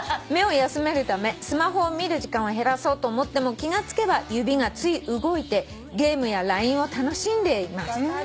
「目を休めるためスマホを見る時間を減らそうと思っても気が付けば指がつい動いてゲームやＬＩＮＥを楽しんでいます」